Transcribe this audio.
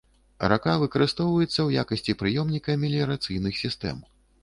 Рака выкарыстоўваецца ў якасці прыёмніка меліярацыйных сістэм.